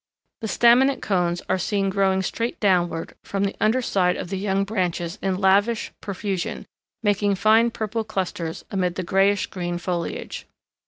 The staminate cones are seen growing straight downward from the under side of the young branches in lavish profusion, making fine purple clusters amid the grayish green foliage.